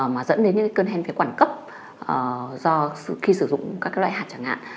mà dẫn đến những cơn hen phế quản cấp do khi sử dụng các loại hạt chẳng hạn